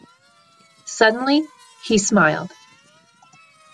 Suddenly, he smiled.